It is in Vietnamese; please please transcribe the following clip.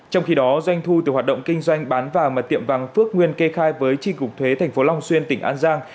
trong khi đó doanh thu từ hoạt động kinh doanh bán vàng mà tiệm vàng phước nguyên kê khai với tri cục thuế tp long xuyên tỉnh an giang